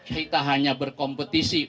kita hanya berkompetisi